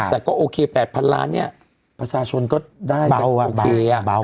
แต่ก็โอเค๘๐๐๐ล้านเนี่ยภาษาชนก็ได้จะโอเคอ่ะ